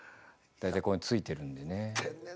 大体ここに付いてるんでね。